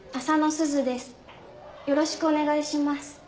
よろしくお願いします。